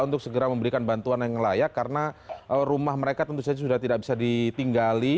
untuk segera memberikan bantuan yang layak karena rumah mereka tentu saja sudah tidak bisa ditinggali